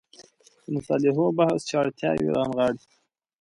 د مصالحو بحث چې اړتیاوې رانغاړي.